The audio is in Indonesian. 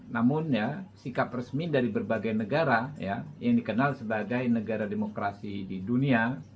namun sikap resmi dari berbagai negara yang dikenal sebagai negara demokrasi di dunia